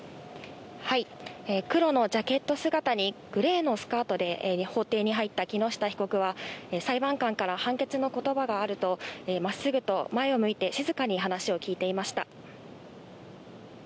黒のジャケット姿にグレーのスカートで法廷に入った木下被告は、裁判官から判決の言葉があると、真っすぐと前を向いて静かに話を聞いていました。